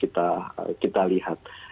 ini adalah sesuatu yang kita lihat